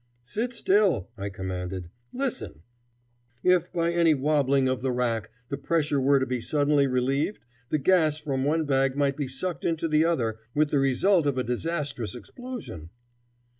"Sit still," I commanded. "Listen! 'If, by any wabbling of the rack, the pressure were to be suddenly relieved, the gas from one bag might be sucked into the other, with the result of a disastrous explosion.'"